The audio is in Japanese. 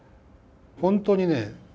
本当にね